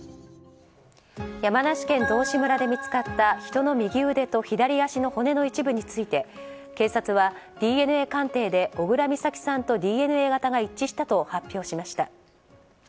山梨県道志村で見つかった人の右腕と左足の骨の一部について警察は、ＤＮＡ鑑定で小倉美咲さんとＤＮＡ型が一致したと発表しました。